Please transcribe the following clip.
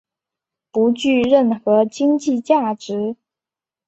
不具任何经济价值。